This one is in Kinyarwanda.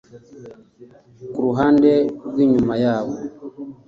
Ku ruhande rw inyuma yabo